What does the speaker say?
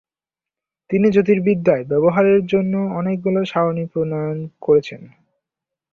তিনি জ্যোতির্বিদ্যায় ব্যবহারের জন্য অনেকগুলো সারণী প্রণয়ন করেছেন।